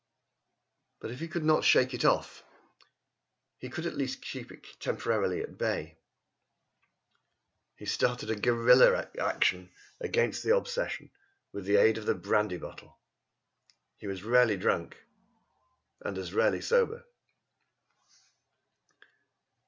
But if he could not shake it off, he could at least keep it temporarily at bay. He started a guerilla campaign against the obsession with the aid of the brandy bottle. He was rarely drunk, and as rarely sober.